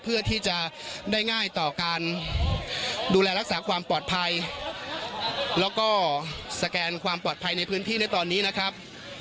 เพื่อที่จะได้ง่ายต่อการดูแลรักษาความปลอดภัยแล้วก็สแกนความปลอดภัยในพื้นที่ในตอนนี้นะครับ